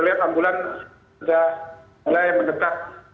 lihat ambulan sudah mulai mendekat